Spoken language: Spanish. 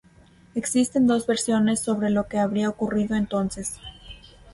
Existen dos versiones sobre lo que habría ocurrido entonces.